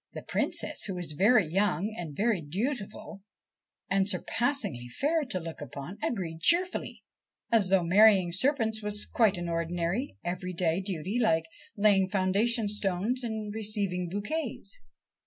The Princess, who was very young and very dutiful, and surpassingly fair to look upon, agreed cheerfully, as though marrying serpents was quite an ordinary everyday duty like laying foundation stones and receiving bouquets.